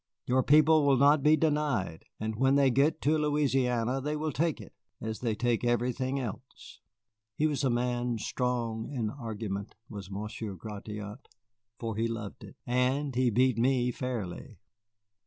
Your people will not be denied, and when they get to Louisiana, they will take it, as they take everything else." He was a man strong in argument, was Monsieur Gratiot, for he loved it. And he beat me fairly.